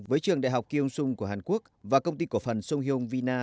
với trường đại học kiêung sung của hàn quốc và công ty cổ phần sung hyung vina